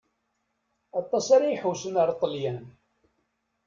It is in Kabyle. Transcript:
Aṭas ara iḥewsen ar Ṭelyan.